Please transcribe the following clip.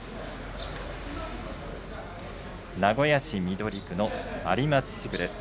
名古屋市緑区の有松地区です。